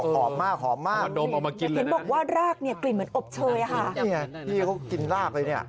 เห็นบอกว่ารากเนี่ยกลิ่นเหมือนอบเชย้าฮะเนี่ยพี่เขากินรากเลยเนี่ย